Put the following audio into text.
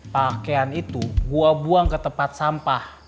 pakaian itu gua buang ke tempat sampah